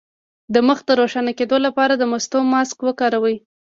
د مخ د روښانه کیدو لپاره د مستو ماسک وکاروئ